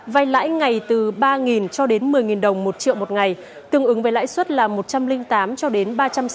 vay lãi ngày từ ba cho đến một mươi đồng một triệu một ngày tương ứng với lãi suất là một trăm linh tám cho đến ba trăm sáu mươi